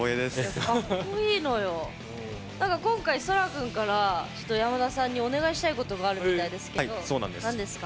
今回、そら君から山田さんにお願いしたいことがあるみたいですけどなんですか？